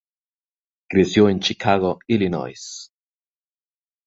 Creció en Chicago, Illinois.